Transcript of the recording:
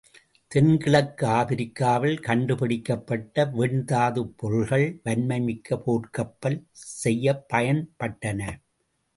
தென்கிழக்கு ஆப்பிரிக்காவில் கண்டுபிடிக்கப்பட்ட வெண்தாதுப் பொருள்கள், வன்மை மிக்க போர்க்கப்பல் செய்யப்பயன்பட்டன.